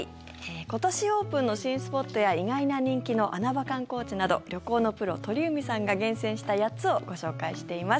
今年オープンの新スポットや意外な人気の穴場観光地など旅行のプロ、鳥海さんが厳選した８つをご紹介しています。